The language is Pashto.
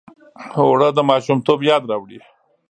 اوړه د ماشومتوب یاد راوړي